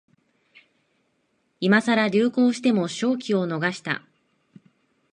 今さら流行しても商機を逃した